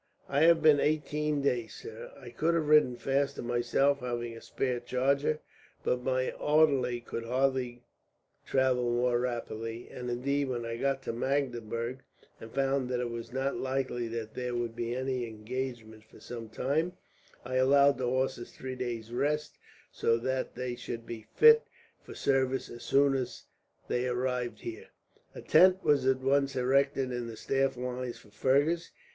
"I have been eighteen days, sir. I could have ridden faster myself, having a spare charger, but my orderly could hardly travel more rapidly; and indeed, when I got to Magdeburg, and found that it was not likely that there would be any engagement for some time, I allowed the horses three days' rest, so that they should be fit for service as soon as they arrived here." A tent was at once erected in the staff lines for Fergus.